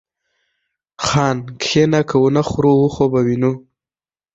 خان! کښينه که ونه خورو و خو به وينو.